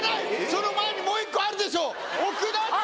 その前にもう１個あるでしょ奥田炒飯は。